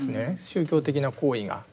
宗教的な行為が。